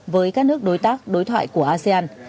với các nước đối tác đối thoại của asean